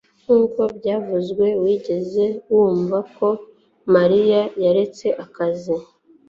nkuko byavuzwe, wigeze wumva ko mariya yaretse akazi